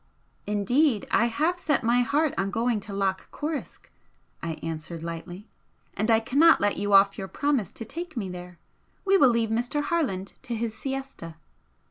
"Indeed, I have set my heart on going to Loch Coruisk" I answered, lightly "And I cannot let you off your promise to take me there! We will leave Mr. Harland to his siesta."